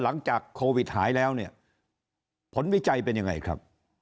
หลังจากโควิดหายแล้วเนี่ยผลวิจัยเป็นยังไงครับ